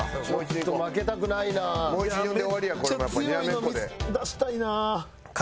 めっちゃ強いの出したいな。